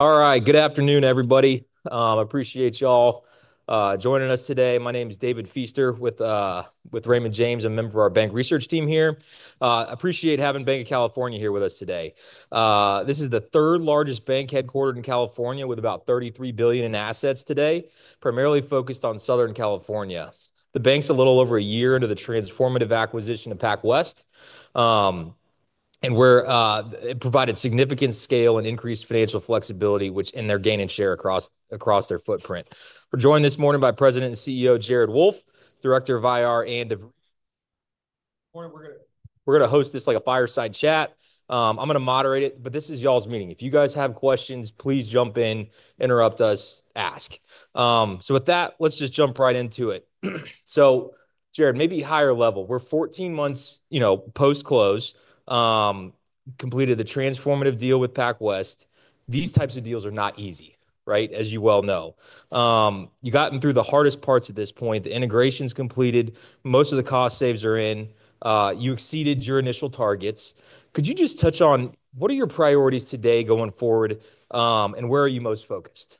All right. Good afternoon, everybody. I appreciate y'all joining us today. My name is David Feaster with Raymond James. I'm a member of our bank research team here. I appreciate having Banc of California here with us today. This is the third largest bank headquartered in California, with about $33 billion in assets today, primarily focused on Southern California. The bank's a little over a year into the transformative acquisition of PacWest, and it provided significant scale and increased financial flexibility, which in their gain in share across their footprint. We're joined this morning by President and CEO Jared Wolff, Director of IR and of. We're going to host this like a fireside chat. I'm going to moderate it, but this is y'all's meeting. If you guys have questions, please jump in, interrupt us, ask. So with that, let's just jump right into it. So Jared, maybe higher level. We're 14 months post-close, completed the transformative deal with PacWest. These types of deals are not easy, right? As you well know, you've gotten through the hardest parts at this point. The integration's completed. Most of the cost saves are in. You exceeded your initial targets. Could you just touch on what are your priorities today going forward, and where are you most focused?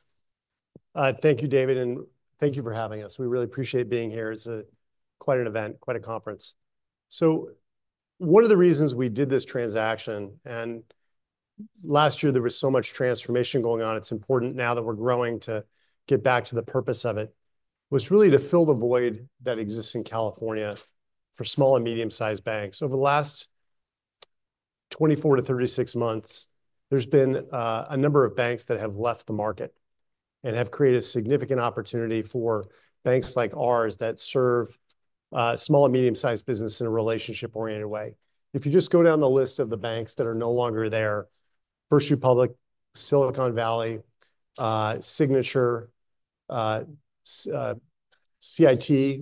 Thank you, David, and thank you for having us. We really appreciate being here. It's quite an event, quite a conference. One of the reasons we did this transaction, and last year there was so much transformation going on, it's important now that we're growing to get back to the purpose of it, was really to fill the void that exists in California for small and medium-sized banks. Over the last 24 to 36 months, there's been a number of banks that have left the market and have created a significant opportunity for banks like ours that serve small and medium-sized business in a relationship-oriented way. If you just go down the list of the banks that are no longer there, First Republic, Silicon Valley, Signature, CIT,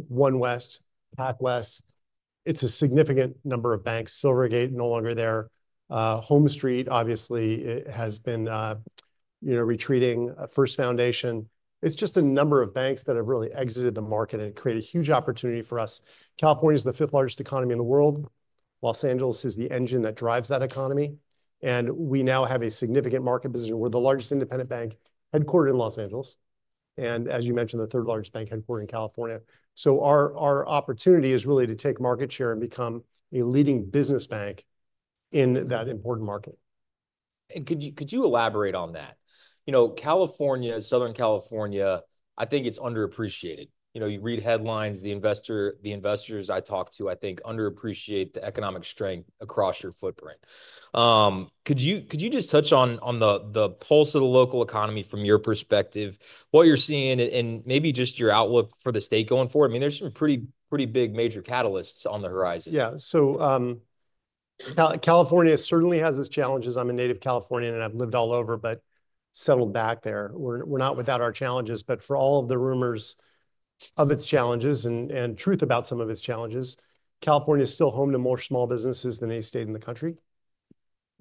OneWest, PacWest, it's a significant number of banks. Silvergate is no longer there. HomeStreet, obviously, has been retreating. First Foundation, it's just a number of banks that have really exited the market and created a huge opportunity for us. California is the fifth largest economy in the world. Los Angeles is the engine that drives that economy. And we now have a significant market position. We're the largest independent bank headquartered in Los Angeles, and as you mentioned, the third largest bank headquartered in California. So our opportunity is really to take market share and become a leading business bank in that important market. Could you elaborate on that? California, Southern California, I think it's underappreciated. You read headlines. The investors I talked to, I think, underappreciate the economic strength across your footprint. Could you just touch on the pulse of the local economy from your perspective, what you're seeing, and maybe just your outlook for the state going forward? I mean, there's some pretty big major catalysts on the horizon. Yeah. So California certainly has its challenges. I'm a native Californian, and I've lived all over, but settled back there. We're not without our challenges. But for all of the rumors of its challenges and truth about some of its challenges, California is still home to more small businesses than any state in the country.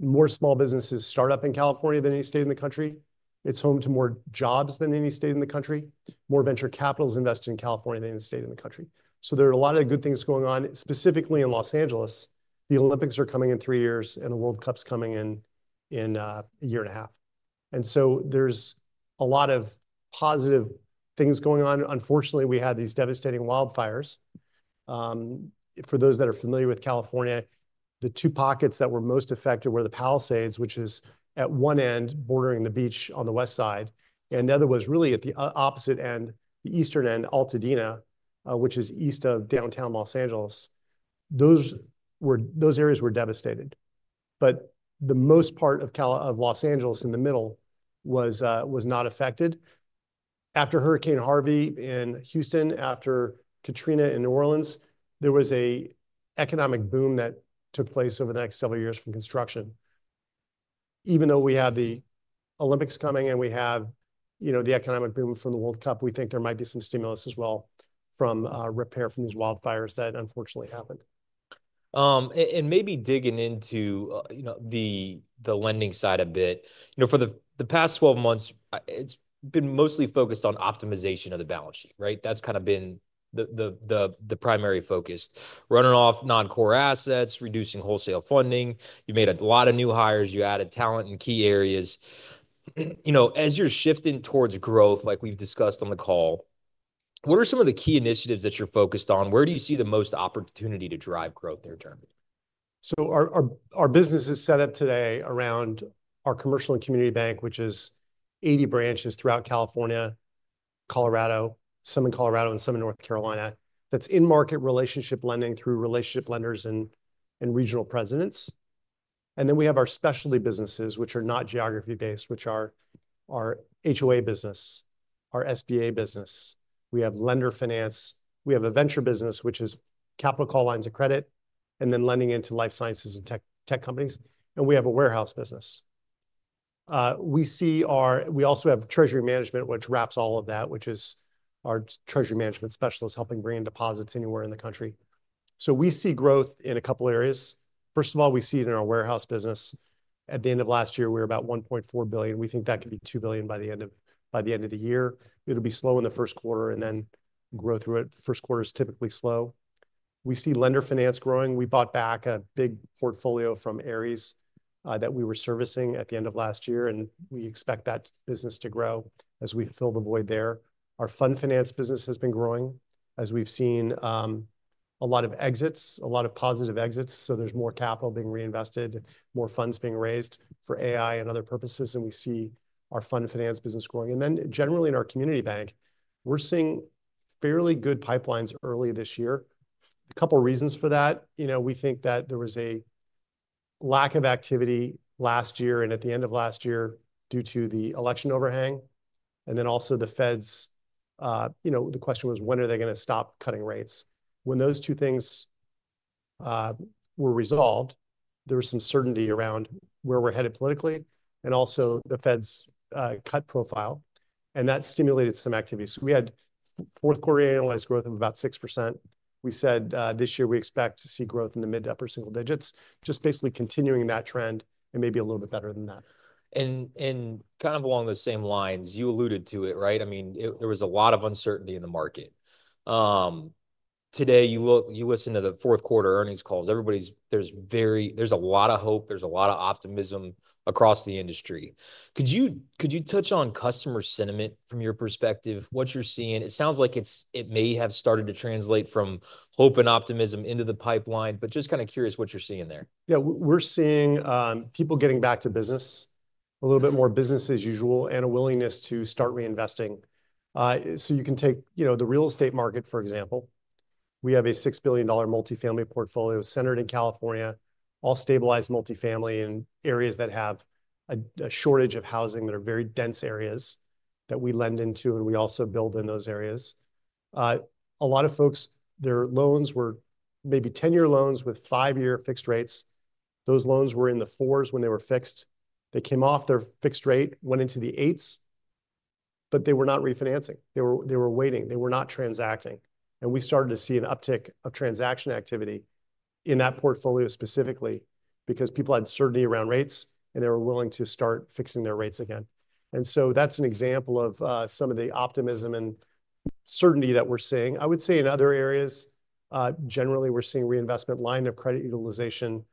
More small businesses start up in California than any state in the country. It's home to more jobs than any state in the country. More venture capital is invested in California than any state in the country. So there are a lot of good things going on, specifically in Los Angeles. The Olympics are coming in three years, and the World Cup's coming in a year and a half. And so there's a lot of positive things going on. Unfortunately, we had these devastating wildfires. For those that are familiar with California, the two pockets that were most affected were the Palisades, which is at one end bordering the beach on the west side, and the other was really at the opposite end, the eastern end, Altadena, which is east of downtown Los Angeles. Those areas were devastated. But the most part of Los Angeles in the middle was not affected. After Hurricane Harvey in Houston, after Katrina in New Orleans, there was an economic boom that took place over the next several years from construction. Even though we have the Olympics coming and we have the economic boom from the World Cup, we think there might be some stimulus as well from repair from these wildfires that unfortunately happened. Maybe digging into the lending side a bit. For the past 12 months, it's been mostly focused on optimization of the balance sheet, right? That's kind of been the primary focus. Running off non-core assets, reducing wholesale funding. You made a lot of new hires. You added talent in key areas. As you're shifting towards growth, like we've discussed on the call, what are some of the key initiatives that you're focused on? Where do you see the most opportunity to drive growth near term? So our business is set up today around our commercial and community bank, which is 80 branches throughout California, Colorado, and some in North Carolina. That's in-market relationship lending through relationship lenders and regional presidents. And then we have our specialty businesses, which are not geography-based, which are our HOA business, our SBA business. We have lender finance. We have a venture business, which is capital call lines of credit, and then lending into life sciences and tech companies. And we have a warehouse business. We also have treasury management, which wraps all of that, which is our treasury management specialists helping bring in deposits anywhere in the country. So we see growth in a couple of areas. First of all, we see it in our warehouse business. At the end of last year, we were about $1.4 billion. We think that could be $2 billion by the end of the year. It'll be slow in the first quarter and then grow through it. First quarter is typically slow. We see lender finance growing. We bought back a big portfolio from Ares that we were servicing at the end of last year, and we expect that business to grow as we fill the void there. Our fund finance business has been growing as we've seen a lot of exits, a lot of positive exits. So there's more capital being reinvested, more funds being raised for AI and other purposes, and we see our fund finance business growing. And then generally in our community bank, we're seeing fairly good pipelines early this year. A couple of reasons for that. We think that there was a lack of activity last year and at the end of last year due to the election overhang, and then also the Fed's, the question was, when are they going to stop cutting rates. When those two things were resolved, there was some certainty around where we're headed politically and also the Fed's cut profile, and that stimulated some activity, so we had fourth quarter annualized growth of about 6%. We said this year we expect to see growth in the mid to upper single digits, just basically continuing that trend and maybe a little bit better than that. Kind of along the same lines, you alluded to it, right? I mean, there was a lot of uncertainty in the market. Today, you listen to the fourth quarter earnings calls. There's a lot of hope. There's a lot of optimism across the industry. Could you touch on customer sentiment from your perspective? What you're seeing? It sounds like it may have started to translate from hope and optimism into the pipeline, but just kind of curious what you're seeing there. Yeah. We're seeing people getting back to business, a little bit more business as usual, and a willingness to start reinvesting. So you can take the real estate market, for example. We have a $6 billion multifamily portfolio centered in California, all stabilized multifamily in areas that have a shortage of housing that are very dense areas that we lend into, and we also build in those areas. A lot of folks, their loans were maybe 10-year loans with five-year fixed rates. Those loans were in the fours when they were fixed. They came off their fixed rate, went into the eights, but they were not refinancing. They were waiting. They were not transacting, and we started to see an uptick of transaction activity in that portfolio specifically because people had certainty around rates, and they were willing to start fixing their rates again. And so that's an example of some of the optimism and certainty that we're seeing. I would say in other areas, generally, we're seeing revolving line of credit utilization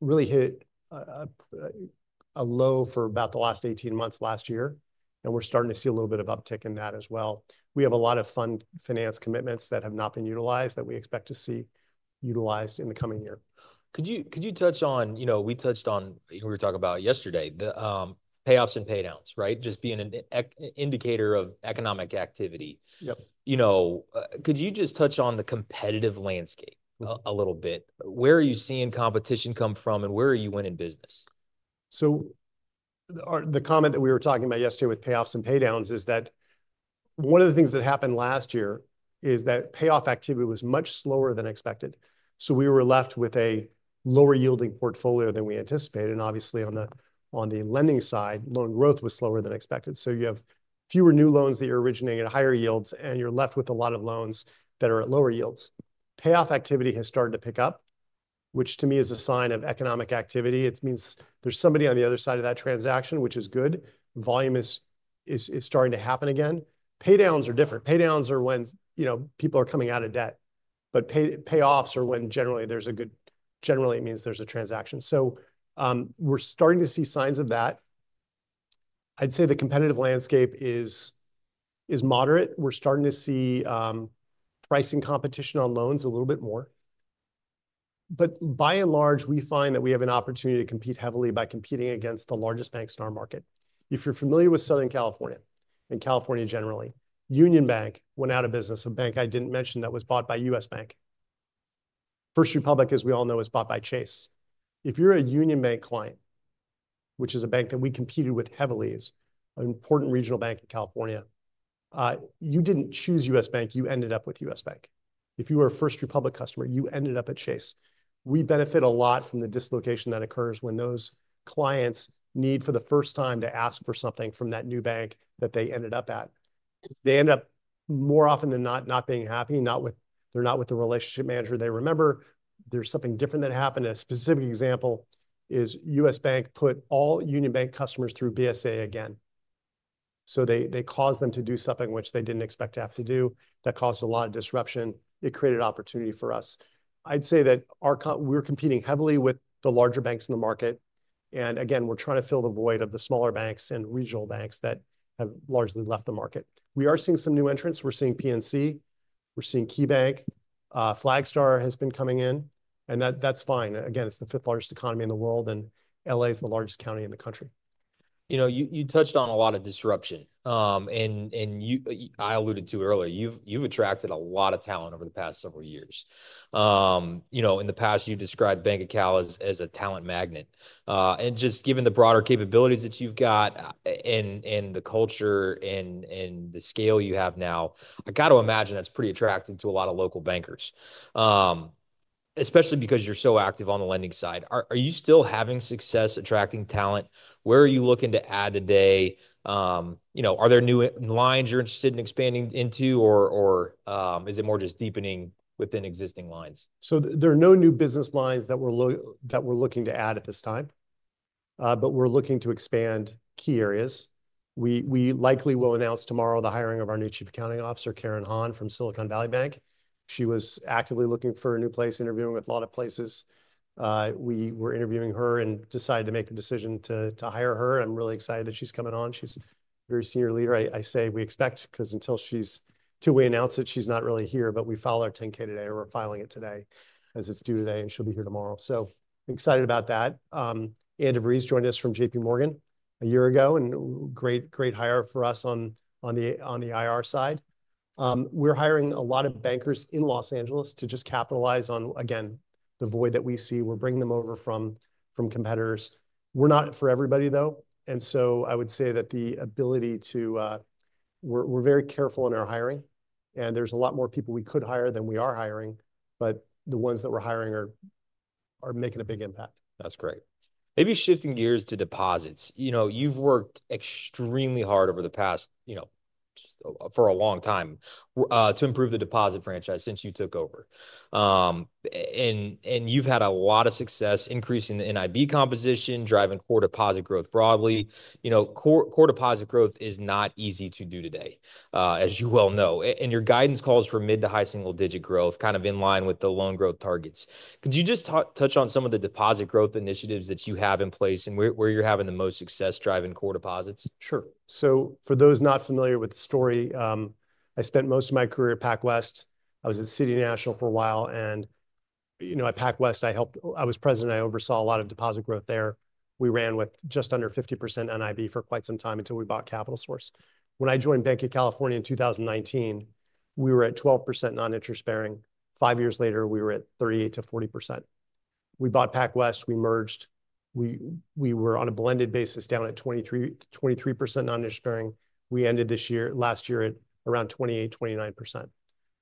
really hit a low for about the last 18 months last year, and we're starting to see a little bit of uptick in that as well. We have a lot of fund finance commitments that have not been utilized that we expect to see utilized in the coming year. Could you touch on, we touched on, we were talking about yesterday, the payoffs and paydowns, right? Just being an indicator of economic activity. Could you just touch on the competitive landscape a little bit? Where are you seeing competition come from, and where are you winning business? So the comment that we were talking about yesterday with payoffs and paydowns is that one of the things that happened last year is that payoff activity was much slower than expected. So we were left with a lower yielding portfolio than we anticipated. And obviously, on the lending side, loan growth was slower than expected. So you have fewer new loans that you're originating at higher yields, and you're left with a lot of loans that are at lower yields. Payoff activity has started to pick up, which to me is a sign of economic activity. It means there's somebody on the other side of that transaction, which is good. Volume is starting to happen again. Paydowns are different. Paydowns are when people are coming out of debt, but payoffs are when generally it means there's a transaction. So we're starting to see signs of that. I'd say the competitive landscape is moderate. We're starting to see pricing competition on loans a little bit more. But by and large, we find that we have an opportunity to compete heavily by competing against the largest banks in our market. If you're familiar with Southern California and California generally, Union Bank went out of business, a bank I didn't mention that was bought by U.S. Bank. First Republic, as we all know, is bought by Chase. If you're a Union Bank client, which is a bank that we competed with heavily, is an important regional bank in California, you didn't choose U.S. Bank. You ended up with U.S. Bank. If you were a First Republic customer, you ended up at Chase. We benefit a lot from the dislocation that occurs when those clients need for the first time to ask for something from that new bank that they ended up at. They end up more often than not not being happy. They're not with the relationship manager they remember. There's something different that happened. A specific example is U.S. Bank put all Union Bank customers through BSA again. So they caused them to do something which they didn't expect to have to do. That caused a lot of disruption. It created opportunity for us. I'd say that we're competing heavily with the larger banks in the market. And again, we're trying to fill the void of the smaller banks and regional banks that have largely left the market. We are seeing some new entrants. We're seeing PNC. We're seeing KeyBank. Flagstar has been coming in, and that's fine. Again, it's the fifth largest economy in the world, and LA is the largest county in the country. You touched on a lot of disruption. And I alluded to earlier, you've attracted a lot of talent over the past several years. In the past, you described Banc of Cal as a talent magnet. And just given the broader capabilities that you've got and the culture and the scale you have now, I got to imagine that's pretty attractive to a lot of local bankers, especially because you're so active on the lending side. Are you still having success attracting talent? Where are you looking to add today? Are there new lines you're interested in expanding into, or is it more just deepening within existing lines? So there are no new business lines that we're looking to add at this time, but we're looking to expand key areas. We likely will announce tomorrow the hiring of our new Chief Accounting Officer, Karin Hall from Silicon Valley Bank. She was actively looking for a new place, interviewing with a lot of places. We were interviewing her and decided to make the decision to hire her. I'm really excited that she's coming on. She's a very senior leader. I say we expect because until we announce it, she's not really here, but we file our 10-K today or we're filing it today as it's due today, and she'll be here tomorrow. So excited about that. Andi de Vries joined us from JPMorgan a year ago, and great hire for us on the IR side. We're hiring a lot of bankers in Los Angeles to just capitalize on, again, the void that we see. We're bringing them over from competitors. We're not for everybody, though. And so I would say we're very careful in our hiring, and there's a lot more people we could hire than we are hiring, but the ones that we're hiring are making a big impact. That's great. Maybe shifting gears to deposits. You've worked extremely hard over the past for a long time to improve the deposit franchise since you took over. And you've had a lot of success increasing the NIB composition, driving core deposit growth broadly. Core deposit growth is not easy to do today, as you well know. And your guidance calls for mid to high single-digit growth, kind of in line with the loan growth targets. Could you just touch on some of the deposit growth initiatives that you have in place and where you're having the most success driving core deposits? Sure. So for those not familiar with the story, I spent most of my career at PacWest. I was at City National for a while, and at PacWest, I was president. I oversaw a lot of deposit growth there. We ran with just under 50% NIB for quite some time until we bought CapitalSource. When I joined Banc of California in 2019, we were at 12% non-interest bearing. Five years later, we were at 38%-40%. We bought PacWest. We merged. We were on a blended basis down at 23% non-interest bearing. We ended last year at around 28%-29%.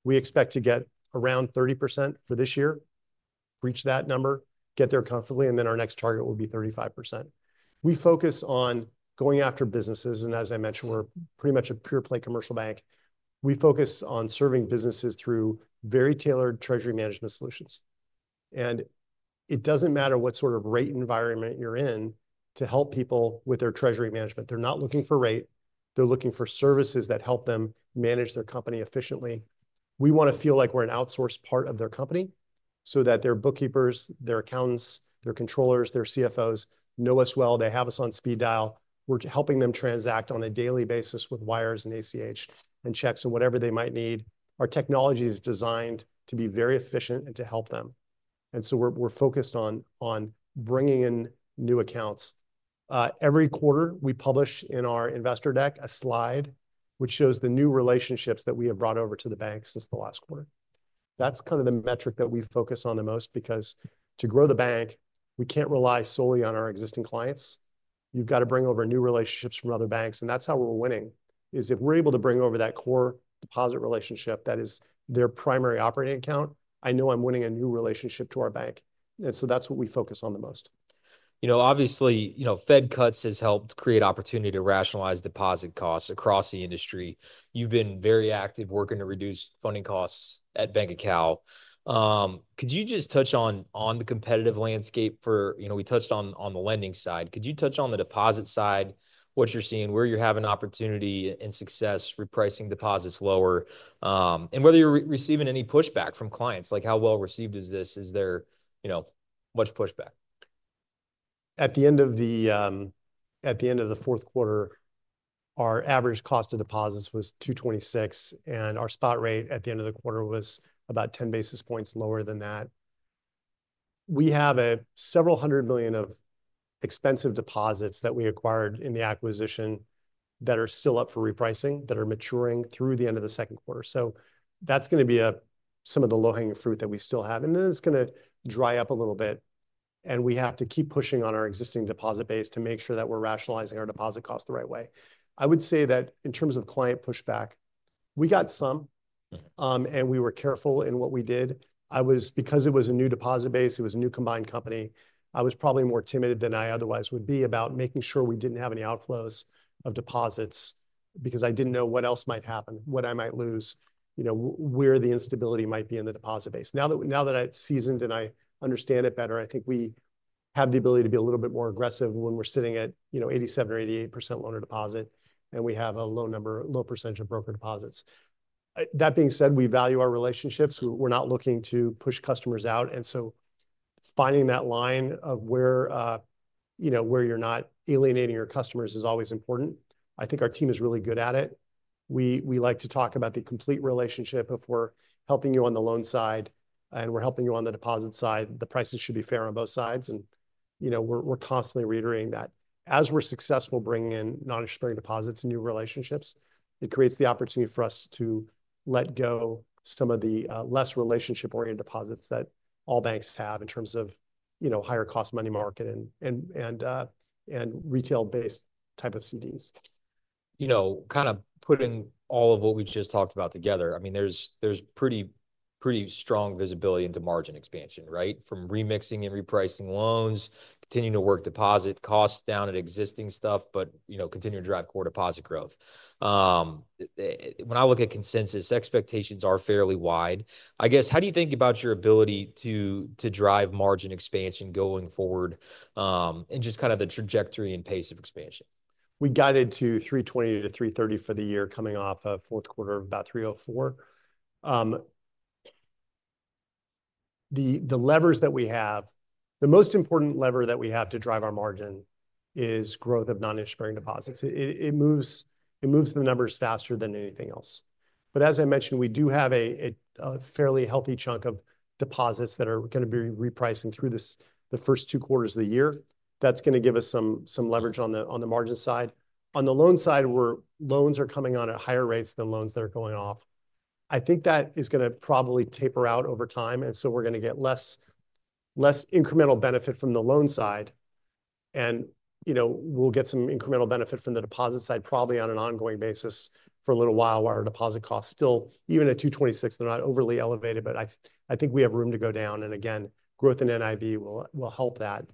We expect to get around 30% for this year, reach that number, get there comfortably, and then our next target will be 35%. We focus on going after businesses, and as I mentioned, we're pretty much a pure play commercial bank. We focus on serving businesses through very tailored treasury management solutions, and it doesn't matter what sort of rate environment you're in to help people with their treasury management. They're not looking for rate. They're looking for services that help them manage their company efficiently. We want to feel like we're an outsourced part of their company so that their bookkeepers, their accountants, their controllers, their CFOs know us well. They have us on speed dial. We're helping them transact on a daily basis with wires and ACH and checks and whatever they might need. Our technology is designed to be very efficient and to help them, and so we're focused on bringing in new accounts. Every quarter, we publish in our investor deck a slide which shows the new relationships that we have brought over to the bank since the last quarter. That's kind of the metric that we focus on the most because to grow the bank, we can't rely solely on our existing clients. You've got to bring over new relationships from other banks, and that's how we're winning, is if we're able to bring over that core deposit relationship that is their primary operating account. I know I'm winning a new relationship to our bank, and so that's what we focus on the most. Obviously, Fed cuts has helped create opportunity to rationalize deposit costs across the industry. You've been very active working to reduce funding costs at Banc of California. Could you just touch on the competitive landscape for we touched on the lending side? Could you touch on the deposit side, what you're seeing, where you're having opportunity and success repricing deposits lower, and whether you're receiving any pushback from clients? Like how well received is this? Is there much pushback? At the end of the fourth quarter, our average cost of deposits was 226, and our spot rate at the end of the quarter was about 10 basis points lower than that. We have several hundred million of expensive deposits that we acquired in the acquisition that are still up for repricing that are maturing through the end of the second quarter. So that's going to be some of the low-hanging fruit that we still have. And then it's going to dry up a little bit, and we have to keep pushing on our existing deposit base to make sure that we're rationalizing our deposit costs the right way. I would say that in terms of client pushback, we got some, and we were careful in what we did. Because it was a new deposit base, it was a new combined company. I was probably more timid than I otherwise would be about making sure we didn't have any outflows of deposits because I didn't know what else might happen, what I might lose, where the instability might be in the deposit base. Now that I've seasoned and I understand it better, I think we have the ability to be a little bit more aggressive when we're sitting at 87% or 88% loan-to-deposit, and we have a low percentage of broker deposits. That being said, we value our relationships. We're not looking to push customers out. And so finding that line of where you're not alienating your customers is always important. I think our team is really good at it. We like to talk about the complete relationship if we're helping you on the loan side and we're helping you on the deposit side, the prices should be fair on both sides, and we're constantly reiterating that. As we're successful bringing in non-interest bearing deposits and new relationships, it creates the opportunity for us to let go some of the less relationship-oriented deposits that all banks have in terms of higher cost money market and retail-based type of CDs. Kind of putting all of what we just talked about together, I mean, there's pretty strong visibility into margin expansion, right? From remixing and repricing loans, continuing to work deposit costs down at existing stuff, but continuing to drive core deposit growth. When I look at consensus, expectations are fairly wide. I guess, how do you think about your ability to drive margin expansion going forward and just kind of the trajectory and pace of expansion? We got into 320-330 for the year coming off of fourth quarter of about 304. The levers that we have, the most important lever that we have to drive our margin is growth of non-interest bearing deposits. It moves the numbers faster than anything else. But as I mentioned, we do have a fairly healthy chunk of deposits that are going to be repricing through the first two quarters of the year. That's going to give us some leverage on the margin side. On the loan side, where loans are coming on at higher rates than loans that are going off, I think that is going to probably taper out over time, and so we're going to get less incremental benefit from the loan side. And we'll get some incremental benefit from the deposit side, probably on an ongoing basis for a little while while our deposit costs still, even at 226, they're not overly elevated, but I think we have room to go down. And again, growth in NIB will help that.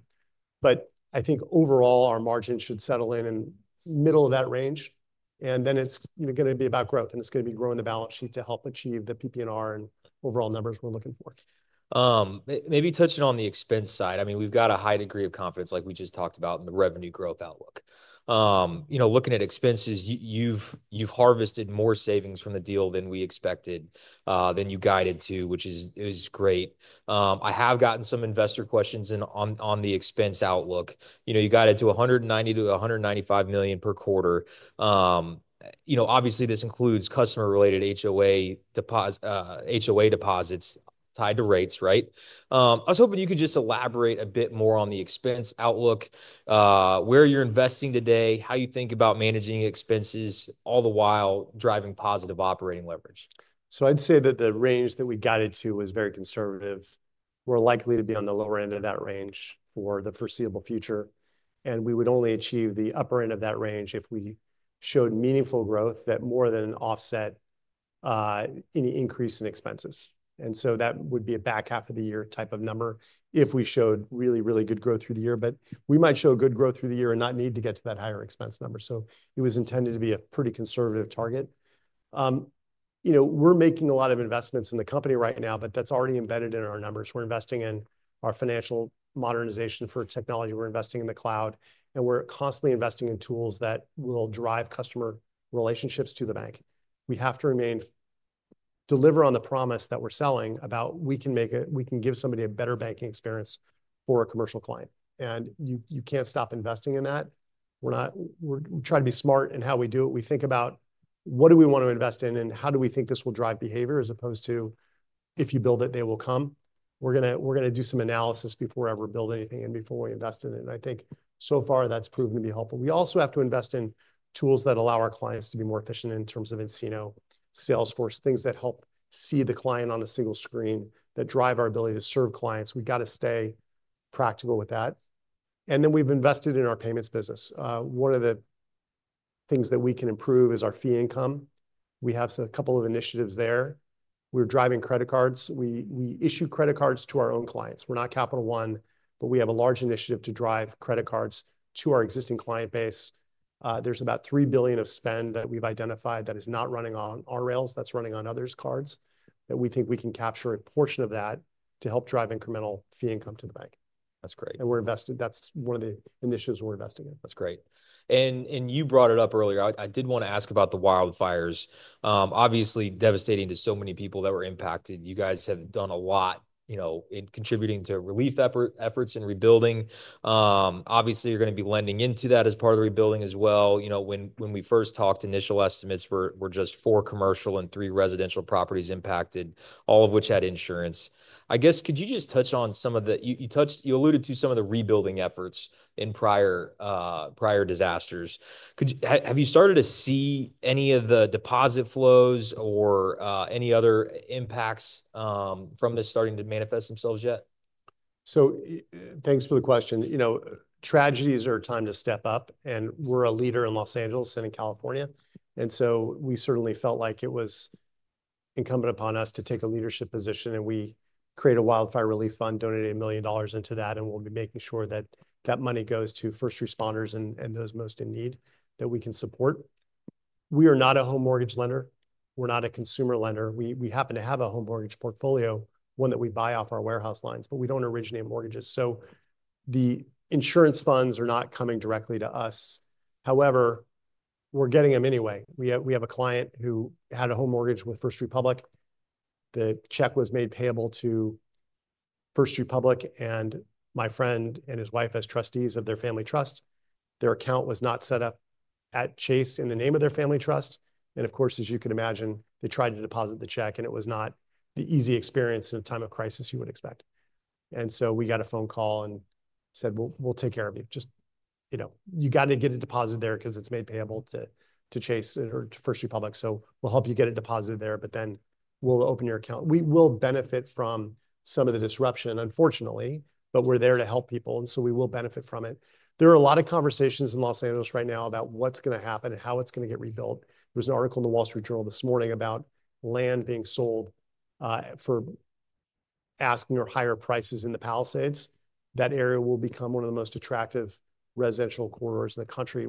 But I think overall, our margin should settle in in the middle of that range. And then it's going to be about growth, and it's going to be growing the balance sheet to help achieve the PP&R and overall numbers we're looking for. Maybe touching on the expense side. I mean, we've got a high degree of confidence, like we just talked about in the revenue growth outlook. Looking at expenses, you've harvested more savings from the deal than we expected, than you guided to, which is great. I have gotten some investor questions on the expense outlook. You guided to $190 million-$195 million per quarter. Obviously, this includes customer-related HOA deposits tied to rates, right? I was hoping you could just elaborate a bit more on the expense outlook, where you're investing today, how you think about managing expenses all the while driving positive operating leverage. So I'd say that the range that we guided to was very conservative. We're likely to be on the lower end of that range for the foreseeable future. And we would only achieve the upper end of that range if we showed meaningful growth that more than offset any increase in expenses. And so that would be a back half of the year type of number if we showed really, really good growth through the year. But we might show good growth through the year and not need to get to that higher expense number. So it was intended to be a pretty conservative target. We're making a lot of investments in the company right now, but that's already embedded in our numbers. We're investing in our financial modernization for technology. We're investing in the cloud, and we're constantly investing in tools that will drive customer relationships to the bank. We have to deliver on the promise that we're selling about how we can give somebody a better banking experience for a commercial client. And you can't stop investing in that. We try to be smart in how we do it. We think about what do we want to invest in and how do we think this will drive behavior as opposed to if you build it, they will come. We're going to do some analysis before we ever build anything and before we invest in it. And I think so far that's proven to be helpful. We also have to invest in tools that allow our clients to be more efficient in terms of nCino, Salesforce, things that help see the client on a single screen that drive our ability to serve clients. We've got to stay practical with that. And then we've invested in our payments business. One of the things that we can improve is our fee income. We have a couple of initiatives there. We're driving credit cards. We issue credit cards to our own clients. We're not Capital One, but we have a large initiative to drive credit cards to our existing client base. There's about $3 billion of spend that we've identified that is not running on our rails. That's running on others' cards that we think we can capture a portion of that to help drive incremental fee income to the bank. That's great. We're invested. That's one of the initiatives we're investing in. That's great, and you brought it up earlier. I did want to ask about the wildfires. Obviously, devastating to so many people that were impacted. You guys have done a lot in contributing to relief efforts and rebuilding. Obviously, you're going to be lending into that as part of the rebuilding as well. When we first talked initial estimates, we're just four commercial and three residential properties impacted, all of which had insurance. I guess, could you just touch on some of the rebuilding efforts in prior disasters you alluded to? Have you started to see any of the deposit flows or any other impacts from this starting to manifest themselves yet? So thanks for the question. Tragedies are a time to step up, and we're a leader in Los Angeles and in California. And so we certainly felt like it was incumbent upon us to take a leadership position, and we created a wildfire relief fund, donated $1 million into that, and we'll be making sure that that money goes to first responders and those most in need that we can support. We are not a home mortgage lender. We're not a consumer lender. We happen to have a home mortgage portfolio, one that we buy off our warehouse lines, but we don't originate mortgages. So the insurance funds are not coming directly to us. However, we're getting them anyway. We have a client who had a home mortgage with First Republic. The check was made payable to First Republic, and my friend and his wife as trustees of their family trust. Their account was not set up at Chase in the name of their family trust. And of course, as you could imagine, they tried to deposit the check, and it was not the easy experience in a time of crisis you would expect. And so we got a phone call and said, "We'll take care of you. You got to get it deposited there because it's made payable to Chase or First Republic. So we'll help you get it deposited there, but then we'll open your account." We will benefit from some of the disruption, unfortunately, but we're there to help people. And so we will benefit from it. There are a lot of conversations in Los Angeles right now about what's going to happen and how it's going to get rebuilt. There was an article in the Wall Street Journal this morning about land being sold for asking or higher prices in the Palisades. That area will become one of the most attractive residential corridors in the country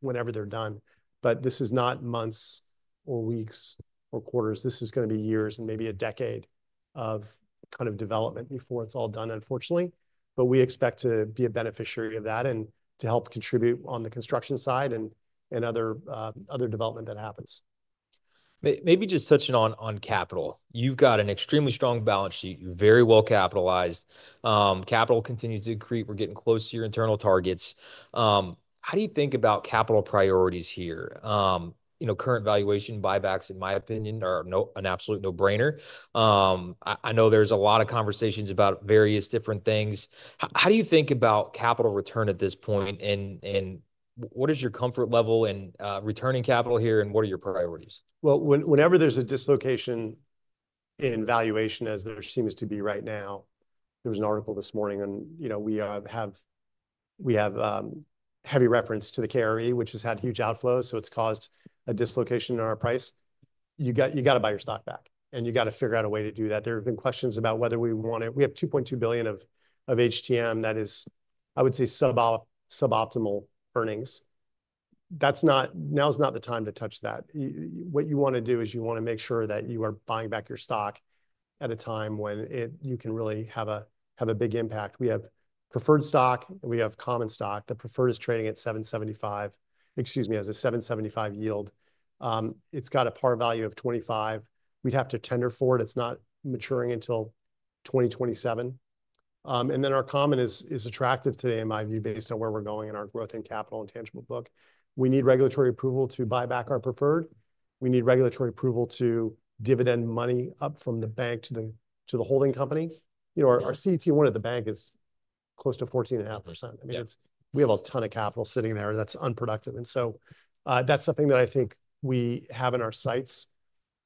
whenever they're done. But this is not months or weeks or quarters. This is going to be years and maybe a decade of kind of development before it's all done, unfortunately. But we expect to be a beneficiary of that and to help contribute on the construction side and other development that happens. Maybe just touching on capital. You've got an extremely strong balance sheet. You're very well capitalized. Capital continues to decrease. We're getting close to your internal targets. How do you think about capital priorities here? Current valuation buybacks, in my opinion, are an absolute no-brainer. I know there's a lot of conversations about various different things. How do you think about capital return at this point, and what is your comfort level in returning capital here, and what are your priorities? Whenever there's a dislocation in valuation, as there seems to be right now, there was an article this morning, and we have heavy reference to the KRE, which has had huge outflows. So it's caused a dislocation in our price. You got to buy your stock back, and you got to figure out a way to do that. There have been questions about whether we want it. We have $2.2 billion of HTM that is, I would say, suboptimal earnings. Now is not the time to touch that. What you want to do is you want to make sure that you are buying back your stock at a time when you can really have a big impact. We have preferred stock, and we have common stock. The preferred is trading at 7.75, excuse me, as a 7.75% yield. It's got a par value of $25. We'd have to tender for it. It's not maturing until 2027, and then our common is attractive today, in my view, based on where we're going in our growth and capital and tangible book. We need regulatory approval to buy back our preferred. We need regulatory approval to dividend money up from the bank to the holding company. Our CET1 at the bank is close to 14.5%. I mean, we have a ton of capital sitting there that's unproductive, and so that's something that I think we have in our sights.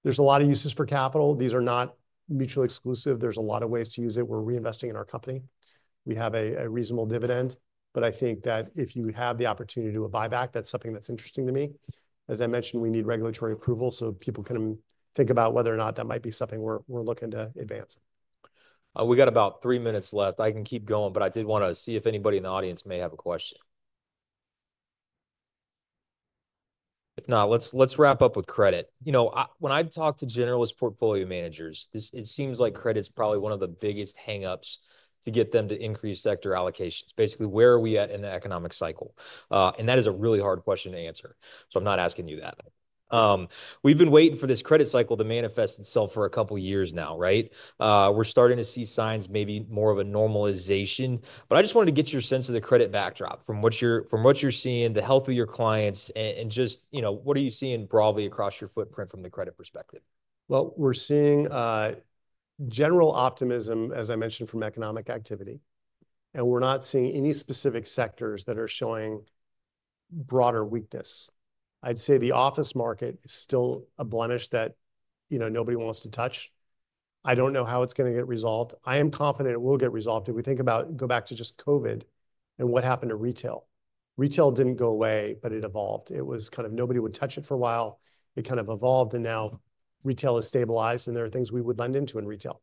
There's a lot of uses for capital. These are not mutually exclusive. There's a lot of ways to use it. We're reinvesting in our company. We have a reasonable dividend, but I think that if you have the opportunity to do a buyback, that's something that's interesting to me. As I mentioned, we need regulatory approval so people can think about whether or not that might be something we're looking to advance. We got about three minutes left. I can keep going, but I did want to see if anybody in the audience may have a question. If not, let's wrap up with credit. When I talk to generalist portfolio managers, it seems like credit's probably one of the biggest hang-ups to get them to increase sector allocations. Basically, where are we at in the economic cycle? And that is a really hard question to answer. So I'm not asking you that. We've been waiting for this credit cycle to manifest itself for a couple of years now, right? We're starting to see signs maybe more of a normalization. But I just wanted to get your sense of the credit backdrop from what you're seeing, the health of your clients, and just what are you seeing broadly across your footprint from the credit perspective? We're seeing general optimism, as I mentioned, from economic activity. We're not seeing any specific sectors that are showing broader weakness. I'd say the office market is still a blemish that nobody wants to touch. I don't know how it's going to get resolved. I am confident it will get resolved. If we think about, go back to just COVID and what happened to retail. Retail didn't go away, but it evolved. It was kind of nobody would touch it for a while. It kind of evolved, and now retail has stabilized, and there are things we would lend into in retail.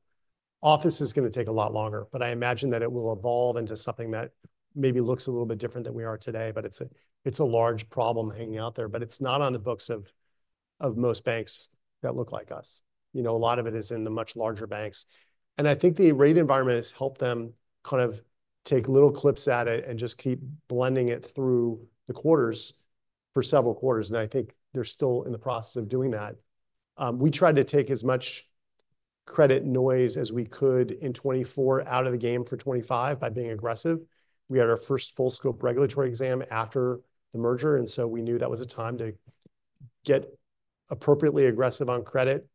Office is going to take a lot longer, but I imagine that it will evolve into something that maybe looks a little bit different than we are today, but it's a large problem hanging out there. But it's not on the books of most banks that look like us. A lot of it is in the much larger banks. And I think the rate environment has helped them kind of take little clips at it and just keep blending it through the quarters for several quarters. And I think they're still in the process of doing that. We tried to take as much credit noise as we could in 2024 out of the game for 2025 by being aggressive. We had our first full-scope regulatory exam after the merger, and so we knew that was a time to get appropriately aggressive on credit.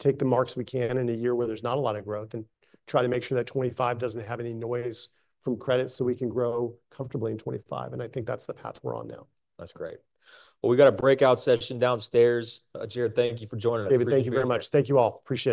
Take the marks we can in a year where there's not a lot of growth, and try to make sure that 2025 doesn't have any noise from credit so we can grow comfortably in 2025. I think that's the path we're on now. That's great. Well, we got a breakout session downstairs. Jared, thank you for joining us. David, thank you very much. Thank you all. Appreciate it.